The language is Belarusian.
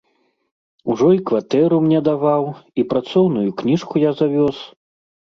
Ужо і кватэру мне даваў, і працоўную кніжку я завёз.